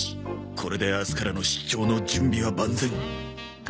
これで明日からの出張の準備は万全。